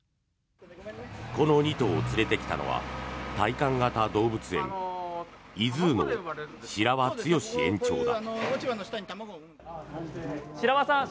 この２頭を連れてきたのは体感型動物園ｉＺｏｏの白輪剛史園長だ。